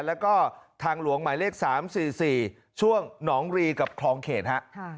แล้วก็ทางหลวงหมายเลข๓๔๔ช่วงหนองรีกับคลองเขตฮะ